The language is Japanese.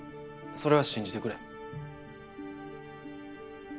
それは信じてくれ。